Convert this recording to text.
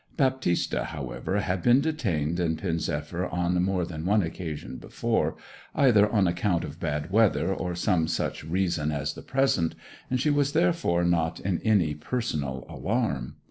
Baptista, however, had been detained in Pen zephyr on more than one occasion before, either on account of bad weather or some such reason as the present, and she was therefore not in any personal alarm.